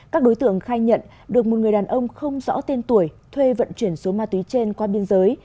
các đối tượng khai nhận được một người đàn ông không rõ tên tuổi thuê vận chuyển số ma túy trên qua biên giới